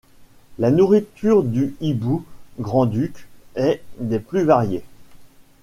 La nourriture du Hibou grand-duc est des plus variées.